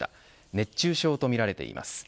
熱中症とみられています。